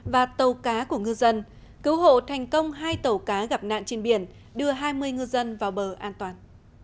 và tàu cá của ngư dân cứu hộ thành công hai tàu cá gặp nạn trên biển đưa hai mươi ngư dân vào bờ an toàn